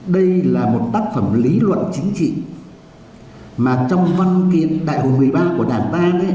đây là một tác phẩm lý luận chính trị mà trong văn kiện đại hội một mươi ba của đảng ta